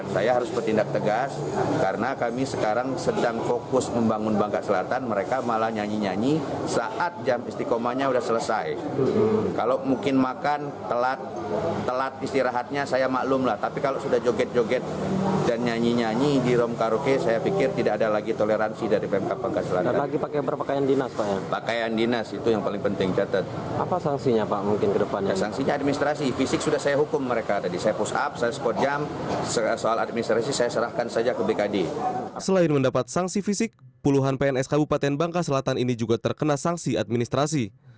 selain mendapat sanksi fisik puluhan pns kabupaten bangka selatan ini juga terkena sanksi administrasi